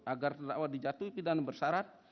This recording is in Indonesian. agar terdakwa dijatuhi pidana bersarat